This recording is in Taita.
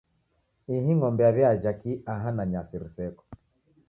Ihi ng'ombe yaw'iaja kii aha, na nyasi riseko?